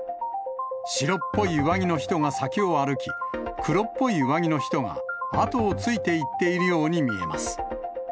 白っぽい上着の人が先を歩き、黒っぽい上着の人が、後をついて行っているように見えます。